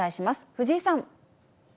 藤井さん。